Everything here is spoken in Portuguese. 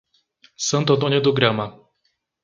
Santo Antônio do Grama